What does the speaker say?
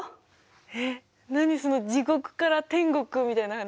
えっ何その地獄から天国みたいな話。